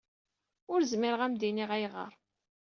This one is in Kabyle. Ur zmireɣ ad m-d-iniɣ ayɣer.